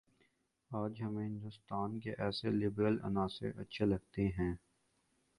آج ہمیں ہندوستان کے ایسے لبرل عناصر اچھے لگتے ہیں